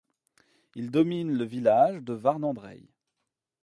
Il domine le village de Warnant-Dreye.